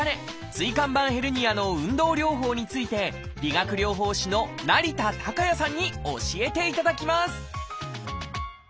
椎間板ヘルニアの運動療法について理学療法士の成田崇矢さんに教えていただきます